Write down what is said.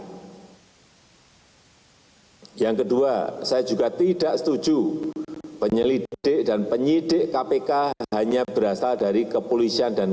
hai yang kedua saya juga tidak setuju penyelidik dan penyidik kpk hanya berasal dari kepolisian dan